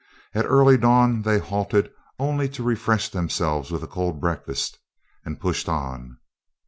At early dawn, they halted only to refresh themselves with a cold breakfast, and pushed on.